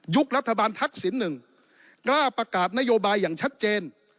รัฐบาลทักษิณหนึ่งกล้าประกาศนโยบายอย่างชัดเจน